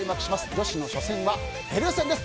女子の初戦はペルー戦です。